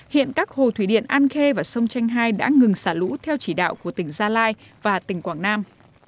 hiện các hồ thủy điện an khê và sông tranh hai đã ngừng xả lũ theo chỉ đạo của tỉnh gia lai và tỉnh quảng nam